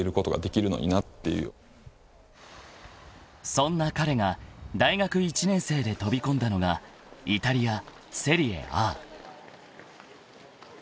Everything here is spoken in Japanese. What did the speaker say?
［そんな彼が大学１年生で飛び込んだのがイタリアセリエＡ］